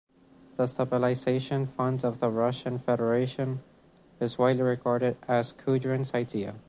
The Stabilization Fund of the Russian Federation is widely regarded as Kudrin's idea.